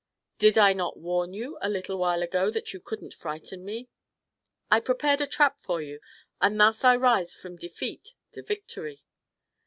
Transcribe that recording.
"Did I not warn you a little while ago that you couldn't frighten me? I prepared a trap for you, and thus I rise from defeat to victory."